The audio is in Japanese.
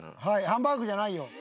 ハンバーグじゃないよ。